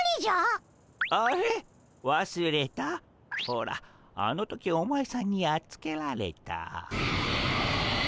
ほらあの時お前さんにやっつけられた。